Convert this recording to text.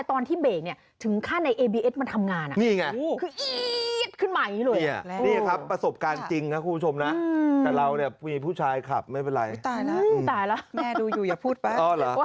ตีมืออยากจะลงอย่างนี้